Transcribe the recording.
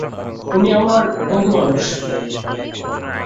উনি আমার বন্ধু মানুষ।